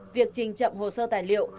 việc trình chậm hồ sơ tài liệu